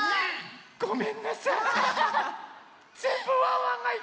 ごめんなさい。